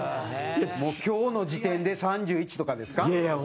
もう、今日の時点で３１とかですか？